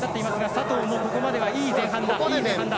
佐藤もここまでは、いい前半だ。